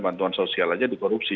bantuan sosial aja dikorupsi